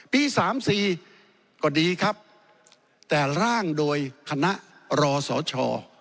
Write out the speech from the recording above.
ปี๓๔ก็ดีครับแต่ร่างโดยคณะรอสอชอ